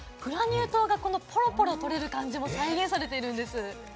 グラニュー糖がポロポロ取れる感じも再現されているんです。